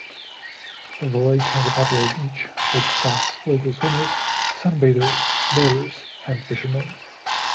The lake has a popular beach which attracts local swimmers, sunbathers, boaters and fishermen.